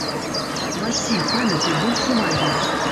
Васіль, памятай, больш увагі.